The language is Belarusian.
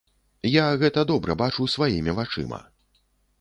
Я гэта добра бачу сваімі вачыма.